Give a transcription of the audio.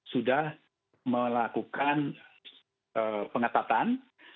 sudah melakukan pengetatan